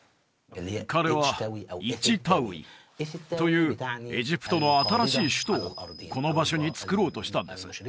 彼はイチタウイというエジプトの新しい首都をこの場所につくろうとしたんです